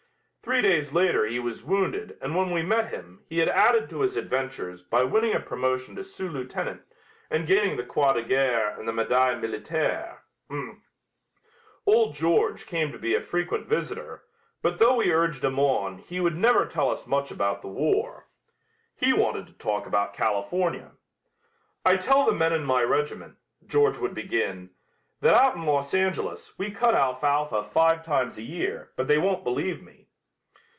Three days later he was wounded and when we met him he had added to his adventures by winning a promotion to sous lieutenant and gaining the croix de guerre and the medaille militaire. Old George came to be a frequent visitor, but though we urged him on he would never tell us much about the war. He wanted to talk about California. "I tell the men in my regiment," George would begin, "that out in Los Angeles we cut alfalfa five times a year, but they won't believe me."